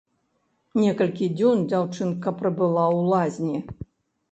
Некалькі дзён дзяўчынка прабыла ў лазні.